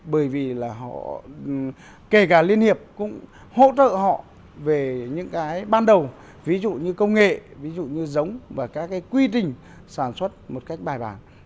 bởi vì là họ kể cả liên hiệp cũng hỗ trợ họ về những cái ban đầu ví dụ như công nghệ ví dụ như giống và các cái quy trình sản xuất một cách bài bản